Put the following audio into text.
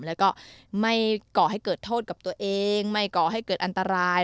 แล้วก็ไม่ก่อให้เกิดโทษกับตัวเองไม่ก่อให้เกิดอันตราย